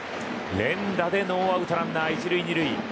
連打でノーアウトランナー１塁、２塁。